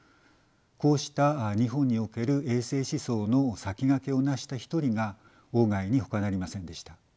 こうした日本における衛生思想の先駆けをなした一人が外にほかなりませんでした。